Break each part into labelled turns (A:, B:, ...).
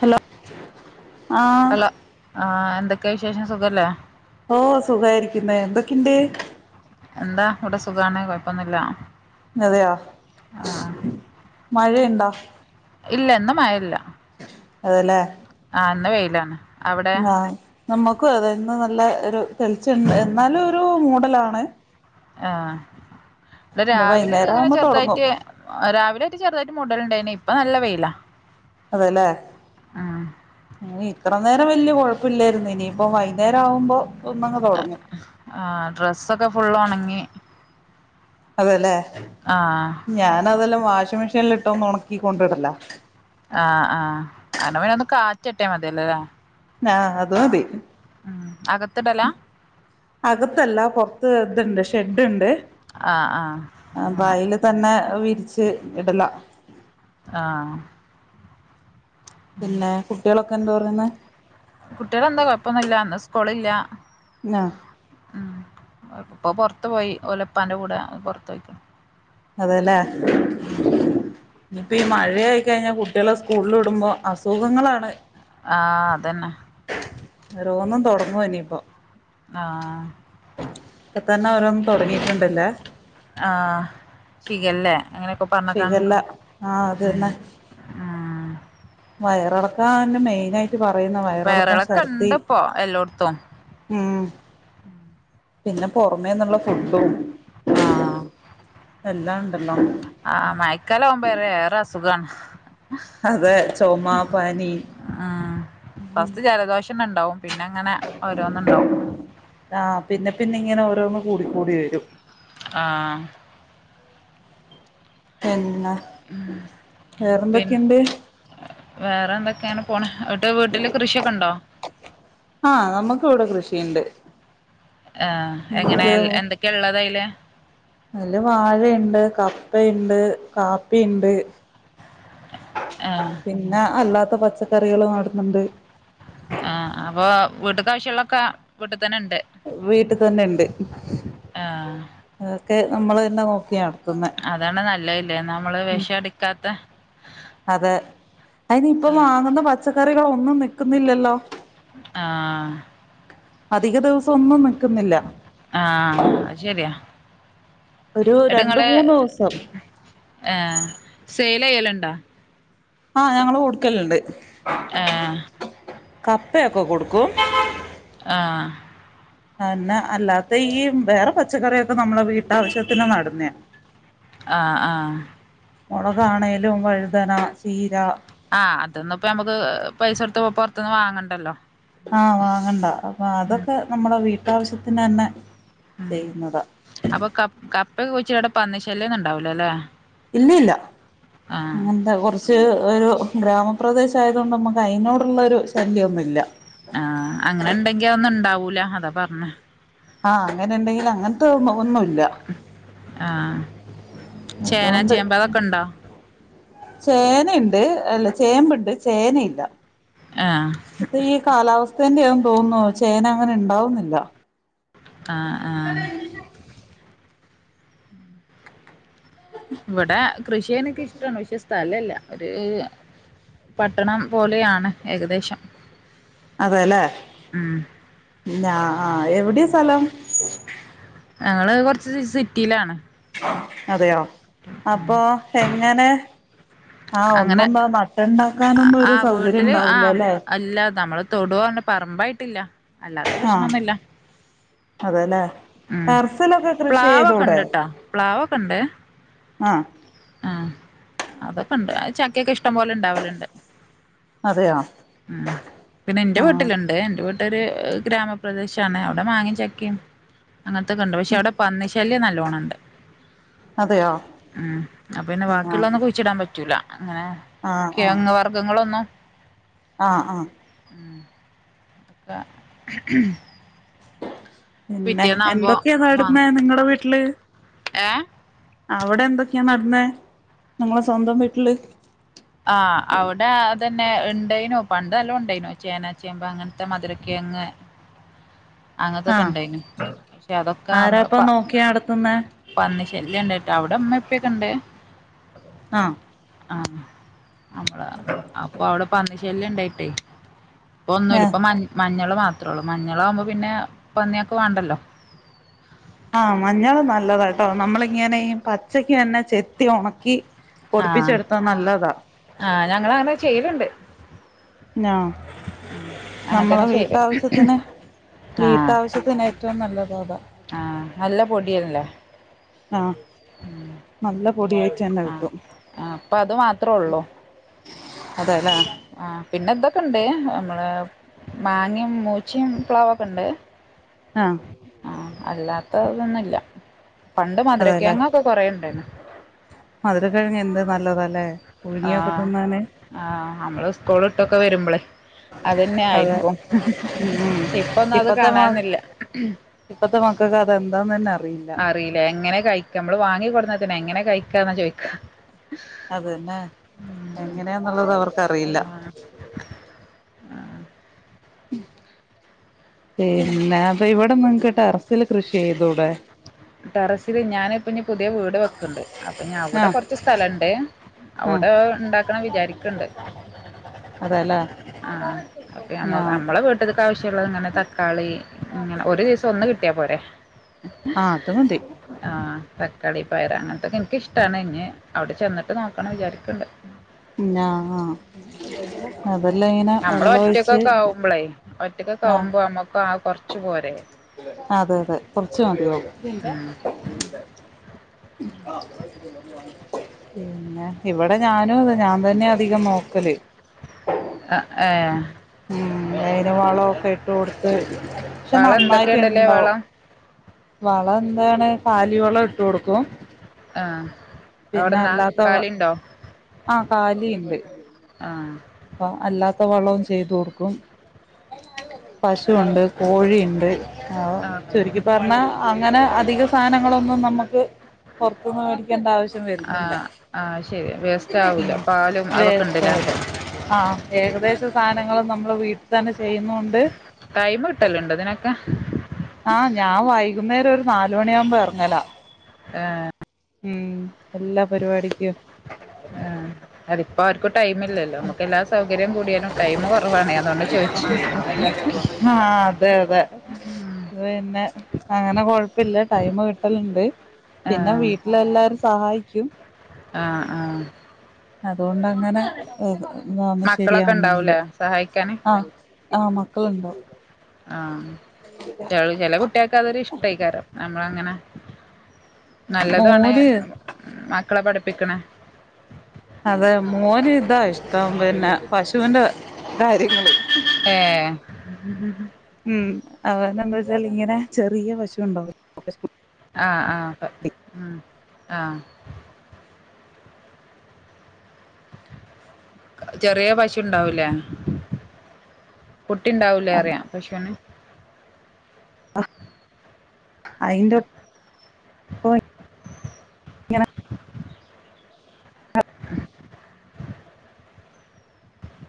A: Hello ആ
B: ആ എന്തൊക്കെയാ വിശേഷം സുഖല്ലേ
A: ഓ സുഖായിരിക്കുന്നേ എന്തെക്കെണ്ടു
B: എന്താ അവിടെ സുഖാണ് കൊയപ്പൊന്നുല്ല
A: അതെയോ മഴ ണ്ടാ
B: ഇല്ല ഇന്നു മഴല്ല
A: അതെല്ലേ
B: അന്നു വെയിലാണ് അവിടെയോ
A: ആഹ് നമ്മുക്കും അതെ ഇന്ന് നല്ല ഒരു തെളിച്ചമുണ്ട് എന്നാളുമൊരു മൂടലാ ണെ
B: ആ ഇന്ന് രാവിലൊക്കെ
A: വൈകുന്നേരം
B: അങ്ങനെ
A: ആവുമ്പോ തുടങ്ങും
B: ചെറുതായിട്ട് ആ രാവീലൊക്കെ ചെറുതായിട്ട് മുടലുണ്ടായേനെ ഇപ്പ നല്ല വെയിലാ
A: അതെല്ലേ
B: ആ
A: ഇനി ഇത്ര നേരം വല്യ കൊഴപ്പമില്ലാരുന്നിനിപ്പം വൈകുന്നേരവുമ്പം
B: ആ ഡ്രസ്സൊക്കെ ഫുൾ ഓണങ്ങി
A: അതല്ലേ ഞാനതെല്ലാം വാഷിംഗ്‌ മെഷീനിലിട്ട് ഇട്ടൊന്നൊണക്കി കൊണ്ടിടെല്ല
B: ആ ആ അയിന് പിന്നൊന്നു കാറ്റ് കിട്ടിയാ മതീല്ലോ ഇല്ലേ
A: ആ അതുമതി
B: അകത്തിടലാ
A: അകത്തല്ല പുറത്തെ ഇതുണ്ട് ഷെഡ്ഡുണ്ടേ
B: ആഹ് ആഹ്
A: അപ്പ
B: അങ്ങനെ
A: ആയിലു തന്നെ വിരി ശ്ശേ ഇടല [unintelligible]
B: ആ
A: പിന്നെ കുട്ട്യോളൊക് എന്ത് പറയുന്നേ
B: കുട്ടികളെന്താ കൊഴപ്പമൊന്നുമി ല്ലാന്നേ ഇസ്‌കൂളില്ല
A: ന
B: പ്പോ പുറത്തുപോയി ഓന്റെ ഉപ്പാന്റെ കൂടെ പുറത്തു പോയിക്കണ്ണ്
A: അതല്ലേ ഇപ്പൊ ഈ മഴ ആയിക്കഴിഞ്ഞ കൂ കള് സ്കൂളിൽ വിടുമ്പോൾ അസുഖങ്ങളാണ്
B: അ അതനെ
A: ഓറോന്ന് തുടങ്ങൂ ഇനിയിപ്പം
B: ആഹ്.
A: ഇപ്പനെ ഓരോന് തുടങ്ങിയിട്ടുണ്ടല്ല
B: ആ ഷിഗെല്ല
A: ഷിഗെല്ല ആ
B: ഉം.
A: അതേലെ
B: [unintelligible] [inaudible]
A: വയറിളക്കാൻ മെയിൻ ആയി റ്റ് പറയുനെ വയറിളക്കാൻ
B: വയറിളക്കം
A: ശറതി
B: ഇണ്ട്പ്പോ എല്ലോട്ത്തും.
A: ഹ്മ്മ് പിന്നെ പുറമേ നിന്നുള്ള ഫുഡും
B: ആ
A: എല്ലാം ഉണ്ടല്ലോ
B: ആ മഴ കാലം ആകുമ്പേ വേറെ അസുഖണ്
A: അതെ ചുമ പനി
B: അഹ് ഫസ്റ്റ് ജലദോഷം ഉണ്ടാവും പിന്നെങ്ങനെ ഓരോന്നുണ്ടാവും
A: ആ പിന്നെ പിന്നെ ഇങ്ങനെ ഓരോന്ന് കൂടി കൂടി വരും
B: ആ
A: എന്നാ വേറെ
B: പിൻ
A: എന്തൊക്കെയുണ്ട്
B: വേറെ എന്തൊക്കെയാണ് പോന്ന് വീട്ടിൽ കൃഷിയക്കുണ്ടോ
A: ആ നമുക്ക് ഇവിടെ കൃഷിഇണ്ട്
B: ആഹ് എങ്ങനെ എന്തൊക്കെയ ഉള്ളത് അയിൽ
A: അതിൽ വാഴ ഇണ്ട് കപ്പ ഇണ്ട് കാപ്പിണ്ട്
B: ഏഹ്
A: പിന്നെ അല്ലാ പച്ചക്കറികളും നടുന്നുണ്ട്
B: അ അപ്പൊ വീട്ടിക് ആവിശ്യ‌യുള്ളക്ക അവീട
A: വീട്ടിതന്നെണ്ട്
B: ആഹ്
A: അതക്കെ നമ്മളെ തന്നെ നോക്കിയാണ്
B: അതാണ് നല്ലലെ നമ്മൾ വേഷഎടുക്കാത്ത
A: അതെ അയിന് ഇപ്പൊ
B: ആഹ്
A: വാങ്ങുന്ന പച്ചക്കറികളോ ഒന്നു നിക്കുന്നില്ലല്ലോ
B: ആ
A: അധിക ദിവസം ഒന്നും നിക്കുന്നില്ല
B: ആ അത് ശരിയാ
A: ഒരു
B: എന്നിട്ട് ഇങ്ങള്
A: രണ്ടുമൂന്നു ദിവസം
B: ഏഹ് സെയിൽ ചെയ്യലുണ്ടാ
A: ആഹ് ഞങ്ങള് കൊടുക്കലുണ്ട്
B: ഏഹ്
A: കപ്പയൊക്കെ കൊടുക്കും
B: ആഹ്
A: അതന്ന അല്ലാതെ ഈ വേറെ പച്ചക്കറിയൊക്കെ നമ്മളെ വീട്ടാവശ്യത്തിന നടുന്നേ
B: ആഹ് ആഹ്
A: മുളകാണേലും വഴുതന ചീര
B: ആ അതൊന്നും ഇപ്പ നമുക്ക് പരിസരത്ത് പുറത്തൊന്നു വാങ്ങണ്ടല്ലോ
A: ആ വാങ്ങണ്ട അപ്പ
B: ഉം
A: അതൊക്കെ നമ്മള വീട്ട് വീട്ടാവശ്യത്തിന് തന്നെ ചെയ്യുന്നതാ
B: അപ്പൊ കപ്പ കപ് പ്പ അവിടെ പന്നി ശല്യൊന്നും ഉണ്ടാവൂലല്ലേ
A: ഇല്ല ഇല്ല
B: ആഹ്
A: അങ്ങനത്തെ കൊറച്ചു ഒരു ഗ്രാമപ്രദേശം ആയതുകൊണ്ട് നമുക്ക് അതിനോടുള്ള ഒരു ശല്യം ഒന്നുമില്ല
B: ആഹ് അങ്ങനെ ഉണ്ടെങ്കി അതൊന്നു ഉണ്ടാവും ഉണ്ടാവൂല അതാ പറഞ്ഞെ
A: ആ അങ്ങനെ ഇണ്ടെങ്കിൽ അങ്ങനത്തെ ഒന്നുമില്ല
B: ആഹ്
A: അത്
B: ചേന
A: കൊണ്ട്
B: ചേമ്പ് അതൊക്കെ ഉണ്ടോ
A: ചേനയുണ്ട് അല്ല ചേമ്പുണ്ട് ചേനയില്ല.
B: ആഹ്
A: ഇപ്പ ഈ കാലാവസ് ഥൻ്റെയാ തോന്നുന്നു ചേന അങ്ങനെ ണ്ടാവുന്നില്ല.
B: ആഹ് ആഹ് ഇവടെ കൃഷി എനിക്കിഷ്ടണ് പക്ഷേ സ്ഥലല്ല. ഒരു പട്ടണം പോലെയാണ് ഏകദേശം
A: അതെല്ലേ
B: ഉം
A: അഹ് ആഹ് എവിടെയാ സ്ഥലം
B: ഞങ്ങള് കൊർച്ച് സ് സിറ്റിയിലാണ്.
A: അതെയോ അപ്പൊ എ ഞാന് ആ
B: അങ്ങനെ
A: ഒന്നൊന്ന് നട്ട്ണ്ടാക്കാനൊന്നും ഒരു
B: ആഹ്
A: സൗകര്യം ണ്ടാവൂലല്ലേ
B: തൊടോ പറമ്പായിട്ടില്ല അല്ലാത്ത
A: ആഹ്
B: പ്രശ്നമൊന്നുല്ല
A: അതെല്ലേ
B: മഉം
A: ടെറസിലൊക്കെ കൃഷി
B: പ്ലാവൊക്കെ
A: ചെയ്തൂടെ
B: ണ്ട്ട്ടാ പ്ലാവൊക്കെണ്ടേ
A: ആഹ്
B: ആഹ് അതൊക്കെണ്ട് അത് ചക്കേക്ക ഇഷ് ടം പോലണ്ടാവല്ണ്ട്
A: അതെയോ
B: ഉം പിന്നെ ഇന്റെ
A: ആഹ്
B: വീട്ടില്ണ്ട് ഇന്റെ വീട്ടാര് ഗ്രാമപ്രദേശ തന്നെ അവിടെ മാങ്ങി ചക്കിം അങ്ങൻത്തൊക്കെണ്ട് പക്ഷേ അവടെ പന്നി ശ് ല്യം നല്ലോണണ്ട്
A: അതെയോ
B: ഉം അപ്പന്നെ
A: ആഹ്
B: ബാക്കിയുള്ളൊന്നും കുഴിച്ചിടാൻ പറ്റൂല
A: ആഹ് ആഹ്
B: കിഴങ്ങ് വർഗ്ഗങ്ങൾ ഒന്നും
A: ആഹ് ആ
B: ഒക്കെ
A: [unintelligible] പിന്നെ
B: പിറ്റേന്നാവുമ്പോ
A: എന്തൊക്കെയാ നടുന്നേ
B: മാന്തും
A: നിങ്ങളെ വീട്ടില്
B: ഏ
A: അവിടെ എന്തൊക്കെയാ നട്ന്നേ നമ്മുടെ സ്വന്തം വീട്ടില്
B: ആ അവടേ അതന്നെ ഉണ്ടായിന്നു പണ്ട് നല്ലോണ്ടായിന്നു ചേന ചേമ്പ് അങ്ങൻത്തെ മധുരക്കിഴങ്ങ് അങ്ങൻതൊക്കെ
A: ആഹ്
B: ഉണ്ടായ്ന്നു അതൊക്കെ നമ്മളെ
A: ആരാപ്പ
B: പ
A: നോക്കി നടത്തുന്നെ
B: പന്നി ശല്ല്യംണ്ടായ്ട്ട് അവ്ടെ മ്മീം പ്പിഒക്കെ ക്കണ്ടേ
A: ആ
B: ആ [unintelligible] അപ്പ അവിടെ പന്നി ശല്യം ണ്ടായിട്ട് ഇപ്പോ ഒന്നൂല്ല
A: ഏഹ്
B: ഇപ്പ മഞ്ഞ്മഞ്ഞൾ മാത്രമേ ഉള്ളൂ മഞ്ഞളാവുമ്പോ പിന്നെപണിയാക്ക് വണ്ടല്
A: ആ മഞ്ഞള് നല്ലതാണ് ട്ടോ നമ്മളിങ്ങനെ പച്ചയ്ക്ക് തന്നെ ചെത്തി ഉണക്കി
B: ആ ഞങ്ങൾ അങ്ങനെ ചെയ്യലുണ്ട്
A: ആ
B: ഉം അങ്ങനെ
A: നമ്മുളെ
B: തന്നെ ചെയ്യല്
A: വീട്ടാവശ്യത്തിന്വീട്ടവശ്യത്തിന് ഏറ്റവും നല്ലത് അത
B: ആ നല്ല പൊടിയല്ലേ
A: ആ
B: ഉം
A: അല്ല പൊടിയായി തന്നെ
B: ആഹ്
A: കിട്ടും
B: ആഹ്
A: അതെല്ലേ
B: ആ പിന്നെന്താ ഓക്കേണ്ട മ്മളെ മങ്ങിമം മുച്ചിം പ്ലാവ് ഓക്കേണ്ട
A: അ
B: അല്ലാത്ത തൊന്നുല്ല
A: അതല്ലേ മധുരക്കിഴങ്ങ് എന്ത് നല്ലതല്ലേ
B: ആ
A: പുഴുങ്ങിയൊക്കെ തിന്നാന്
B: നമ്മള് സ്കൂൾ വട്ടു വരുമ്പളെ
A: അതെ
B: അതന്നെയിരിക്കും
A: ഉം
B: ഇപ്പോ അത്
A: ഇപ്പത്തെ മ
B: കാണാനില്ല
A: ഇപ്പത്തെ മക്കക്ക് അതെന്താന്ന് തന്നെ
B: അറിയില്ല എങ്ങനെ യിക്ക് നമ്മള് വാങ്ങി കൊടുന്നതന്നെ എങ്ങെനെ കഴിക്കാ
A: അതന്നെ യങ്ങനെ ന്നുള്ളത് അവർക്ക് അറിഇല്ല
B: ആഹ്
A: പിന്നെ ഇവിടെങ്ങൾക്ക് ട്ടാറസില് കൃഷി ചെയ്തൂടെ
B: ട്ടാറസില് ഞാനിപ്പന്ന് പുതിയ വീട് വെക്കുണ്ട് അപ്പൊ അവിടെ
A: ആഹ്
B: കുറച്ച് സ്ഥലം ഉണ്ട്
A: ആഹ്
B: അവിടെ ഇണ്ടാക്കണം വിചാരിക്കണണ്ട
A: അതെല്ലേ
B: അ ആ
A: ആഹ്
B: നമ്മളെ വീട്ക ആവിശ്യല്ലത് തക്കാളി ഒരീസം ഒന്ന് കിട്ടിയമതി ട്ടിയപോരെ
A: അ അതു മതി
B: തക്കാളി പയർ അങ്ങനതൊക്കെ എനിക്കിഷ്ടമാണ് ഇഞ് അവിടെ ചെന്നിട്ട് നോക്കണന്ന് വിചാരിക്കണണ്ട്
A: അ ആ
B: നമ്മളൊറ്റൊക്കെ ക്കെ ആവുമ്പോളേ ഒറ്റക്കൊക്കെ
A: ആഹ്
B: ആവുമ്പോ നമുക്ക് ആകെ കുറച്ച് ച്ചു പോരെ
A: അതെ അതെ കുറച്ചു മതി
B: ഉം
A: ഇവിടെ ഞാൻ തന്നെ അതികം നോക്കൽ
B: അ ഏ
A: ജവാവലം ഒക്കെ ഇട്ടുകൊടുത്തു
B: വളം എന്തോക്കെ ഇടല് വളം
A: വളം എന്താണ് കാലി വളം ഇട്ടു കൊടുക്കും
B: ആ
A: തിന്നല്ലതവ ആ കാലി ണ്ട്
B: ആഹ്
A: ട്ട് അല്ലാത്ത വളം ചെയ്ത് കൊടുക്കും പശു ഉണ്ട് കോഴി ഉണ്ട് ആ
B: ആഹ്
A: ചുരുക്കി പറഞ്ഞാ അങ്ങനെ അധിക സാനം ലങ്ങളൊന്നും നമ്മക്ക് പുറത്തുന്നു വാങ്ങിക്കേണ്ട ആവിശ്യം
B: ആ അയ്‌ ശരിയ വേസ്റ്റ് ആവുല പാലും അതൊക്കെ ഇണ്ട് ലെ
A: വേസ്റ്റോടെ ആ ഏകദേശം സാനങ്ങളു നമ്മള് വീട്ടിത്തന്നെ ചെ ചെയ്യുന്നുണ്ട്
B: ടൈം കിട്ടലുണ്ടോ ഇതിനൊക്കെ
A: ആ ഞാ വൈകുന്നേരം ഒരു നാലുമണിയാവുമ്പോ ഇറങ്ങലാ
B: ഏ
A: ഉം എല്ലാ പരിപാടിക്കും
B: ടൈംയില്ലാലോ നമുക്ക് എല്ലാ സൗകര്യം കൂടിയാലും ടൈം കുറവാണെ അതോണ്ടാ ചോയിച്ചേ
A: ആ അതെ അതെ പിന്നെ കുഴപ്പല്ല ടൈം കിട്ടലുണ്ട് പിന്നെ
B: ആഹ്
A: വീട്ടിലല്ലാരും സഹായിക്കും
B: ആഹ് ആഹ്
A: അതോണ്ടങ്ങനെ [unintelligible] മു
B: മക്കളൊക്കെ
A: ശെരിയാവുന്നുണ്ട്
B: ഉണ്ടാവൂലേ സഹായിക്കാന്
A: അ മക്കളുണ്ടോ
B: ആ ചെല കുട്ട്യാൾക്ക് അതൊരു ഇഷ് കയിക്കാരോ നമ്മളങ്ങനെ നല്ലതുവാണ്
A: മോന്
B: മക്കളെ പഠിപ്പി [unintelligible]
A: അതെ മോന് ഇതാ ഇഷ്ട്ടം പിന്നെ പശൂന്റെ കാര്യങ്ങള്.
B: ഏ?
A: ഉം അവർക്കെന്താവെച്ചാല് ഇങ്ങനെ ചെറിയ പശുണ്ടാവ പശു കുട്ട്
B: ആ ആ പ ഉം ആ ചെറിയ പശുണ്ടാവില്ലേ? കുട്ടിണ്ടാവുലേറിയ പശൂന്?
A: അയിന്റ ഇങ്ങനെ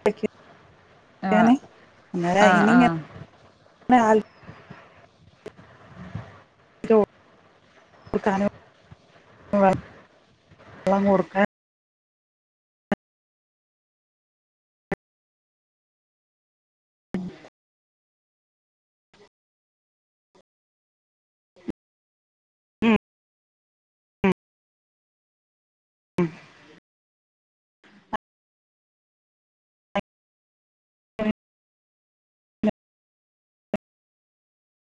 A: [unintelligible]
B: ആഹ്
A: [unintelligible]
B: ആഹ്
A: അന്നേരയിനും ഗ്യാപ്
B: ആഹ്
A: ന്നയാൾ [unintelligible] [unintelligible] ഉം ഉം ഉം [inaudible]